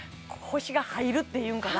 腰が入るっていうんかな